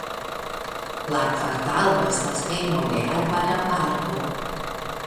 Le kvartalo estas hejmo de arbara parko.